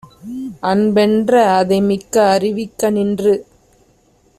அன்பென்ற அதைமிக்க அறிவிக்க நின்று